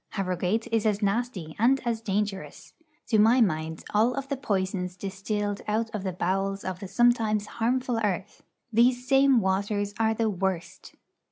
Harrogate is as nasty, and as dangerous. To my mind, of all the poisons distilled out of the bowels of the sometimes harmful earth, these same waters are the worst.